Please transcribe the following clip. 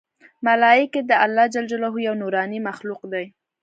ملایکې د الله ج یو نورانې مخلوق دی